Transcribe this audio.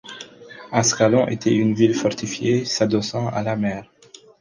Ascalon était une ville fortifiée s'adossant à la mer.